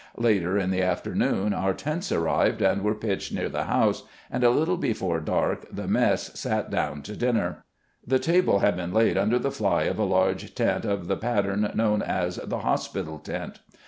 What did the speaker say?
Later in the after noon our tents arrived, and were pitched near the house, THE HEADQUAEXBRS MESS 45 and a little before dark the " mess " sat down to dinner. The table had been laid under the fly of a large tent of the pattern known as the " hospital tent."